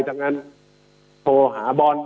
ดังนั้นโทรหาบอส